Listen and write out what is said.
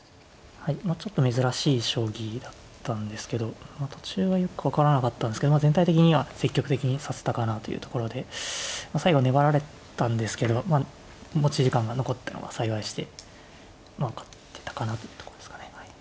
はいちょっと珍しい将棋だったんですけど途中はよく分からなかったんですけど全体的には積極的に指せたかなというところで最後粘られたんですけどまあ持ち時間が残ってたのが幸いしてまあ勝てたかなってとこですかね。